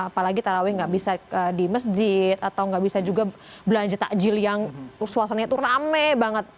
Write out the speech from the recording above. apalagi tarawih nggak bisa di masjid atau nggak bisa juga belanja takjil yang suasananya tuh rame banget